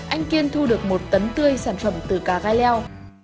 anh kiên thu được một tấn tươi sản phẩm từ cà gai leo